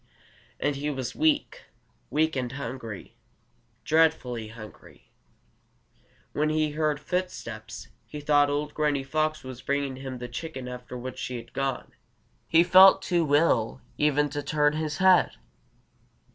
And he was weak weak and hungry, dreadfully hungry. When he heard footsteps, he thought old Granny Fox was bringing him the chicken after which she had gone. He felt too ill even to turn his head.